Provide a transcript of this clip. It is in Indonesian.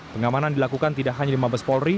pengamanan dilakukan tidak hanya di mabes polri